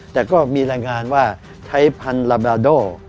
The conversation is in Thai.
แต่ก็มีรายงานว่าใช้พันธุ์ลาบาโด